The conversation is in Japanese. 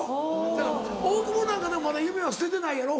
だから大久保なんかでもまだ夢は捨ててないやろ？